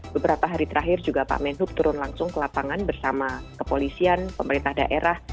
beberapa hari terakhir juga pak menhub turun langsung ke lapangan bersama kepolisian pemerintah daerah